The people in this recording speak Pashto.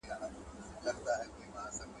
هغه وويل چي کالي وچول مهم دي.